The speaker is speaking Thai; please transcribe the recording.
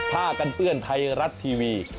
ผ้ากันเปื้อนไทยรัฐทีวี